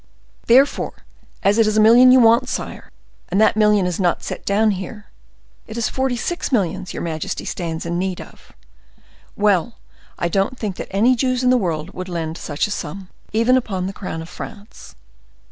"Therefore, as it is a million you want, sire, and that million is not set down here, it is forty six millions your majesty stands in need of. Well, I don't think that any Jews in the world would lend such a sum, even upon the crown of France."